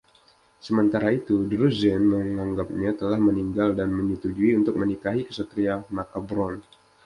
Sementara itu, Druzane menganggapnya telah meninggal dan menyetujui untuk menikahi Ksatria Macabron.